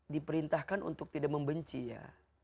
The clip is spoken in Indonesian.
diperintahkan untuk tidak membenci ya